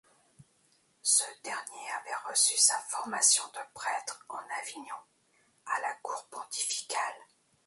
Ce dernier avait reçu sa formation de prêtre en Avignon, à la cour pontificale.